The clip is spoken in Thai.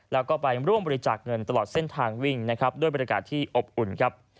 แล้วก็ไปร่วมบริจาคเงินตลอดเส้นทางวิ่งนะครับด้วยบรรยากาศที่อบอุ่นครับ